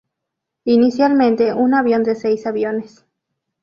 Inicialmente, un avión de seis aviones.